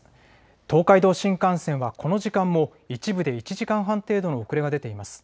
東海道新幹線はこの時間も一部で１時間半程度の遅れが出ています。